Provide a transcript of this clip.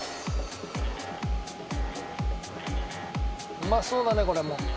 うまそうだねこれも。